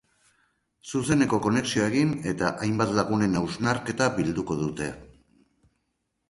Zuzeneko konexioa egin eta hainbat lagunen hausnarketa bilduko dute.